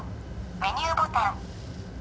メニューボタン。